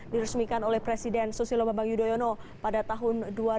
diresmikan oleh presiden susilo bambang yudhoyono pada tahun dua ribu dua